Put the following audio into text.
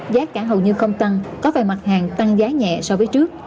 giá cả hầu như không tăng có vài mặt hàng tăng giá nhẹ so với trước